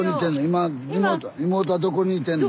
今妹はどこにいてんの？